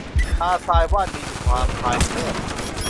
ตาทรายว่านิลวาม พรายเพริศ